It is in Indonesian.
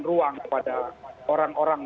ruang kepada orang orang